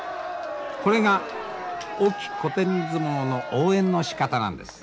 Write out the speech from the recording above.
これが隠岐古典相撲の応援のしかたなんです。